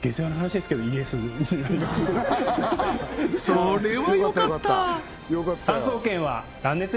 それはよかった！